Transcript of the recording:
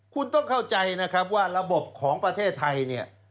คุณต้องเข้าใจนะครับว่าระบบของประเทศไทยเนี่ย